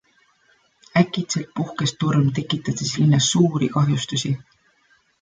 Äkitselt puhkes torm, tekitades linnas suuri kahjustusi.